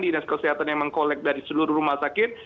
dinas kesehatan yang mengkolek dari seluruh rumah sakit